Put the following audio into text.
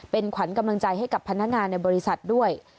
เป็นขวัญกำลังใจให้กับพนักงานในบริษัทด้วย